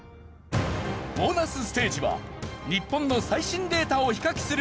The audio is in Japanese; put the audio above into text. ボーナスステージは日本の最新データを比較する